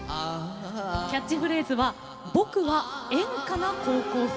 キャッチフレーズは「ぼくはエンカな高校生」。